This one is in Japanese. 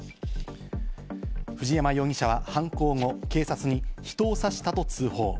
藤山容疑者は犯行後、警察に人を刺したと通報。